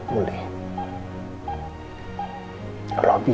lo bisa memulihkan semua ke andi